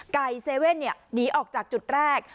ไก่เซเว่นเนี่ยหนีออกจากจุดแรก